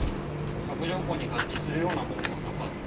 索条痕に合致するようなものはなかったよ。